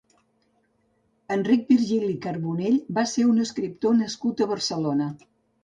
Enric Virgili Carbonell va ser un escriptor nascut a Barcelona.